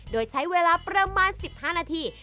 โดยใช้เวลาประมาณ๑๕นาที